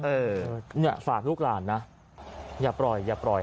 เออเนี่ยฝากลูกหลานนะอย่าปล่อยอย่าปล่อย